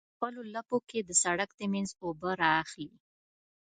په خپلو لپو کې د سرک د منځ اوبه رااخلي.